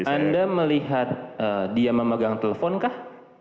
anda melihat dia memegang telepon kah